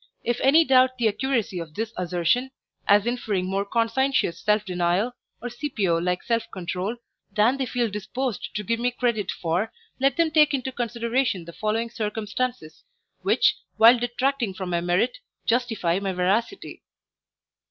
If any doubt the accuracy of this assertion, as inferring more conscientious self denial or Scipio like self control than they feel disposed to give me credit for, let them take into consideration the following circumstances, which, while detracting from my merit, justify my veracity.